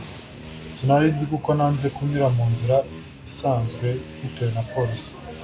sinarinzizi kuko nanze kunyura munzira isanzwe bitewe na polisi